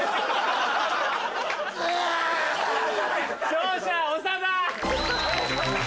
勝者長田！